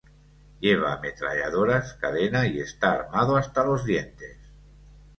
Lleva ametralladoras cadena y está armado hasta los dientes.